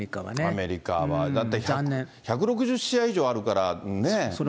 アメリカは、だって１６０試合以上あるからね。